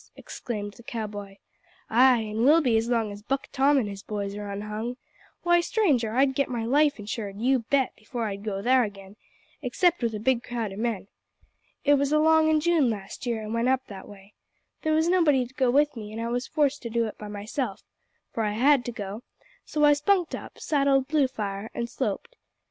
exclaimed the cow boy. "Ay, an will be as long as Buck Tom an' his boys are unhung. Why, stranger, I'd get my life insured, you bet, before I'd go thar again except with a big crowd o' men. It was along in June last year I went up that way; there was nobody to go with me, an' I was forced to do it by myself for I had to go so I spunked up, saddled Bluefire, an' sloped.